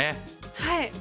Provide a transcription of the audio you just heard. はい。